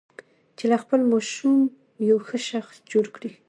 چې له خپل ماشوم یو ښه شخص جوړ کړي.